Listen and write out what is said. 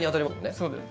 そうですね。